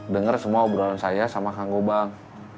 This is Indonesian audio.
dengar semua obrolan saya sama kang gobang